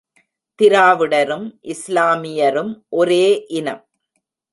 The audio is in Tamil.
திராவிடரும் இஸ்லாமியரும் ஒரே இனம்!